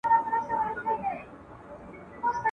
چي قلم پورته کومه کردګار ته غزل لیکم !.